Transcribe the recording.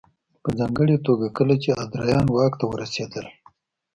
په ځانګړې توګه کله چې ادریان واک ته ورسېدل